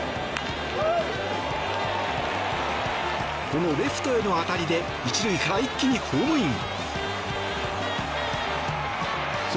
このレフトへの当たりで１塁から一気にホームイン。